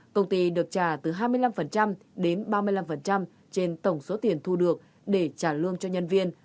công ty được trả từ hai mươi năm đến ba mươi năm trên tổng số tiền thu được để trả lương cho nhân viên